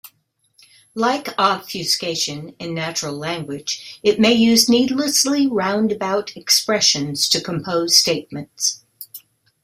Like obfuscation in natural language, it may use needlessly roundabout expressions to compose statements.